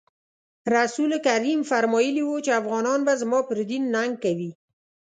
رسول کریم فرمایلي وو چې افغانان به زما پر دین ننګ کوي.